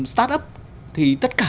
start up thì tất cả